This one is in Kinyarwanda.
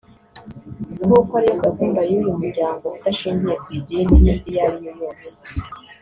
nk’uko ariyo gahunda y’uyu muryango udashingiye ku idini iyo ariyo yose